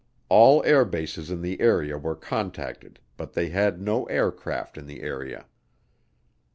All air bases in the area were contacted but they had no aircraft in the area.